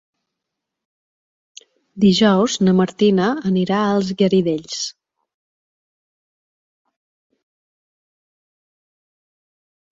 Dijous na Martina anirà als Garidells.